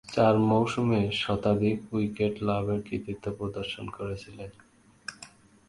চার মৌসুমে শতাধিক উইকেট লাভের কৃতিত্ব প্রদর্শন করেছিলেন।